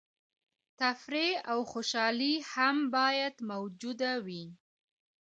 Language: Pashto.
تفریح او خوشحالي هم باید موجوده وي.